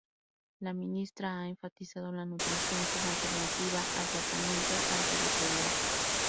La ministra ha enfatizado la nutrición como alternativa al tratamiento antirretroviral.